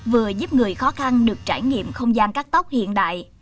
vừa giúp người khó khăn được trải nghiệm không gian cắt tóc hiện đại